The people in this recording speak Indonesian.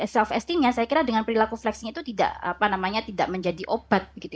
self esteemnya saya kira dengan perilaku flexing itu tidak apa namanya tidak menjadi obat begitu